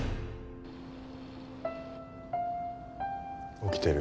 起きてる？